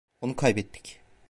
Onu kaybettik.